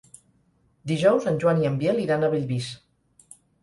Dijous en Joan i en Biel iran a Bellvís.